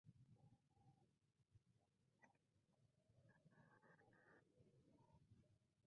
El único símbolo socialista era la estrella roja en lo alto.